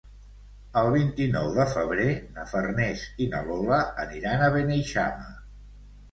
El vint-i-nou de febrer na Farners i na Lola aniran a Beneixama.